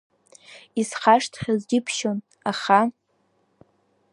Исхашҭхьаз џьыбшьон, аха…